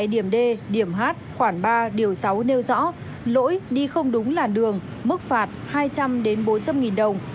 điểm h khoảng ba sáu nêu rõ lỗi đi không đúng làn đường mức phạt hai trăm linh bốn trăm linh đồng